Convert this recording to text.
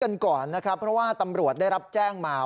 กันก่อนนะครับเพราะว่าตำรวจได้รับแจ้งมา